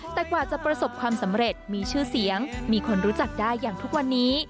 แต่กว่าจะประสบความสำเร็จมีชื่อเสียงมีคนรู้จักได้อย่างทุกวันนี้